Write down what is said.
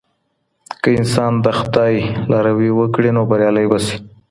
که انسان د خدای لاروي وکړي نو بريالی به سي.